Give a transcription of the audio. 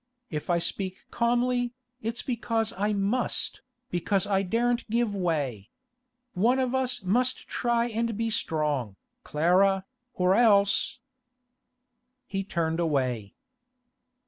If I speak calmly, it's because I must, because I daren't give way. One of us must try and be strong, Clara, or else—' He turned away.